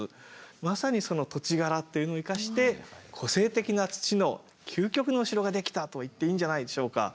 まさにその土地柄というのを生かして個性的な土の究極のお城が出来たと言っていいんじゃないでしょうか。